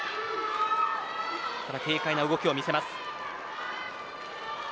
ただ軽快な動きを見せています。